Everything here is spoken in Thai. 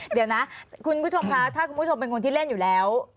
เดี๋ยวนะคุณผู้ชมคะถ้าคุณผู้ชมเป็นคนที่เล่นอยู่แล้ว